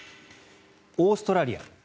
オーストラリア。